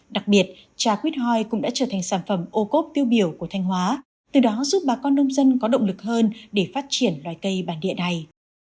đặc biệt trà quýt hoi cũng đã trở thành sản phẩm ô cốp tiêu biểu của thanh hóa từ đó giúp bà con nông dân có động lực hơn để phát triển loài cây bản địa này